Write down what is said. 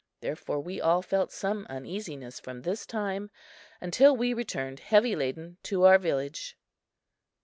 Therefore we all felt some uneasiness from this time until we returned heavy laden to our village.